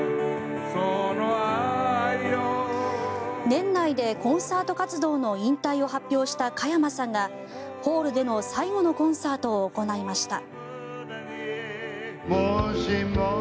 年内でコンサート活動の引退を発表した加山さんがホールでの最後のコンサートを行いました。